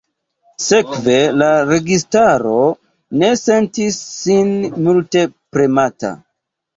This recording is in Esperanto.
Sekve la registaro ne sentis sin multe premata.